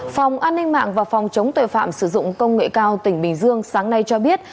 phòng an ninh mạng và phòng chống tội phạm sử dụng công nghệ cao tỉnh bình dương sáng nay cho biết